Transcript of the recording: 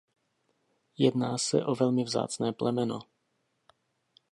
Jedná se o velmi vzácné plemeno.